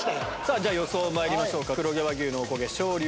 じゃ予想まいりましょうか。